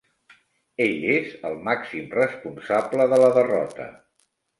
Ell és el màxim responsable de la derrota.